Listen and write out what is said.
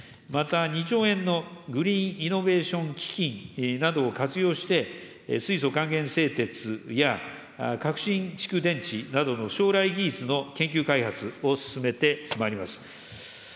また、２兆円のグリーンイノベーション基金などを活用して、水素還元せいてつや革新蓄電池などの将来技術の研究開発を進めてまいります。